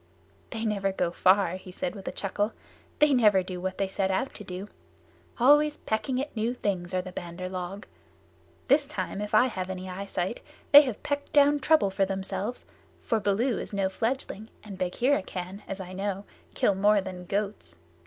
"They never go far," he said with a chuckle. "They never do what they set out to do. Always pecking at new things are the Bandar log. This time, if I have any eye sight, they have pecked down trouble for themselves, for Baloo is no fledgling and Bagheera can, as I know, kill more than goats."